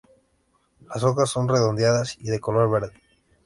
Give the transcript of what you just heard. Las hojas son redondeadas y de color verde.